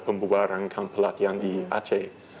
pembuaran kamp pelatihan di aceh